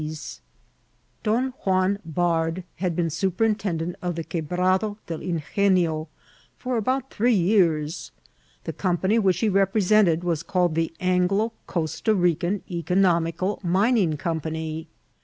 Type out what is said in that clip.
tsl. Don Joan Bardh had been superiiite&dent of the Qua l>rada del Ingenio for about three yean. The Company which he represented was called the Anglo Costa Rican Economical Mining Company.